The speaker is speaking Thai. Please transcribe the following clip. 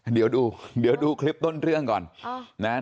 เดี๋ยวดูคลิปต้นเรื่องก่อน